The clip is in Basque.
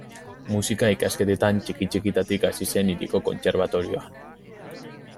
Musika ikasketetan txiki-txikitatik hasi zen hiriko kontserbatorioan.